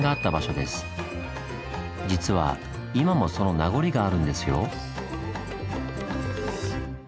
実は今もその名残があるんですよ！